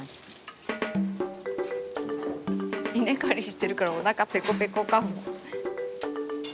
稲刈りしてるからおなかぺこぺこかも。